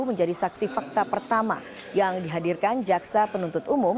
menjadi saksi fakta pertama yang dihadirkan jaksa penuntut umum